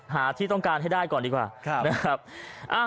ที่ต้องการให้ได้ก่อนดีกว่านะครับ